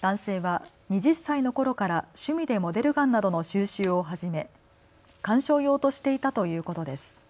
男性は２０歳のころから趣味でモデルガンなどの収集を始め、観賞用としていたということです。